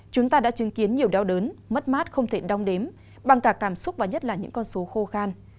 chúng ta đã chứng kiến nhiều đau đớn mất mát không thể đong đếm bằng cả cảm xúc và nhất là những con số khô khan